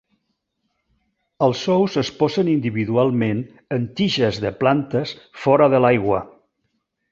Els ous es posen individualment en tiges de plantes fora de l'aigua.